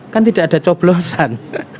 kan tidak ada coblosan